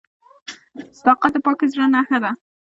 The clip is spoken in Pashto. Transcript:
• صداقت د پاک زړه نښه ده.